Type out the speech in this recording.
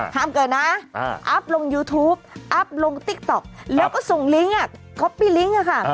เกิดนะอัพลงยูทูปอัพลงติ๊กต๊อกแล้วก็ส่งลิงก์คอปปี้ลิงค์ค่ะ